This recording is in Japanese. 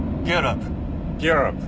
ギアアップ。